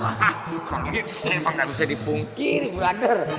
wah kalau iyan reva gak bisa dipungkiri brother